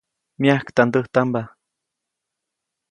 Myajktandäjtamba.